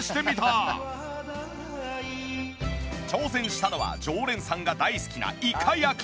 挑戦したのは常連さんが大好きなイカ焼き。